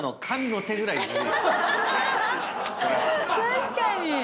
確かに！